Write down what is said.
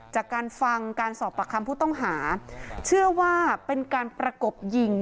จากการฟังการสอบปากคำผู้ต้องหาเชื่อว่าเป็นการประกบยิง